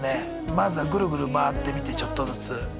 まずはグルグル回ってみてちょっとずつ。